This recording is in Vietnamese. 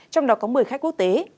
trong đó có một mươi khách quốc tế